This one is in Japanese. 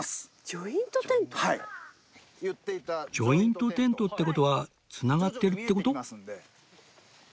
ジョイントテントって事は繋がってるって事？